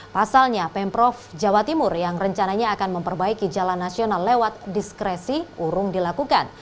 pasalnya pemprov jawa timur yang rencananya akan memperbaiki jalan nasional lewat diskresi urung dilakukan